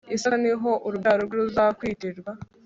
isaka ni ho urubyaro rwawe ruzakwitirirwa